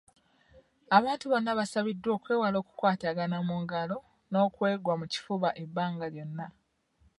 Abantu bonna basabiddwa okwewala okukwatagana mu ngalo n'okweggwa mu kifuba ebbanga lyonna.